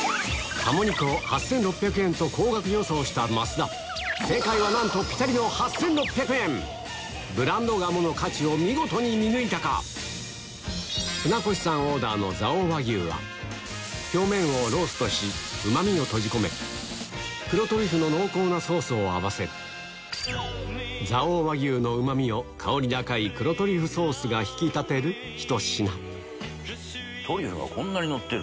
高額予想した増田なんとピタリのブランド鴨の価値を見事に見抜いたか船越さんオーダーの表面をローストしうまみを閉じ込める黒トリュフの濃厚なソースを合わせる蔵王和牛のうまみを香り高い黒トリュフソースが引き立てるひと品トリュフがこんなにのってる！